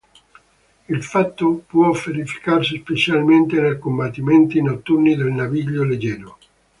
Il fatto può verificarsi specialmente nei combattimenti notturni del naviglio leggero.